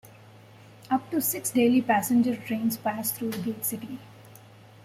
Up to six daily passenger trains passed through Gate City.